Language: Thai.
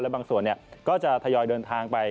บางส่วนก็จะทยอยเดินทางไป